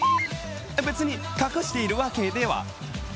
別に隠しているわけでは。